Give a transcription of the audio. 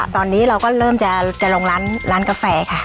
ตอนนี้เราก็เริ่มจะลงร้านกาแฟค่ะ